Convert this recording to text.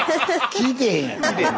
聞いてへんやん。